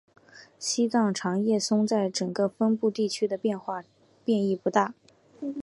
西藏长叶松在整个分布地区的变异不大。